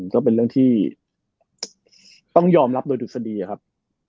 ก็เป็นเรื่องที่ต้องยอมรับโดยดุษฎีครับ